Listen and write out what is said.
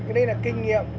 cái đấy là kinh nghiệm